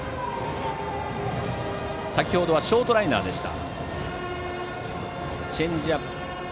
先程はショートライナーでした。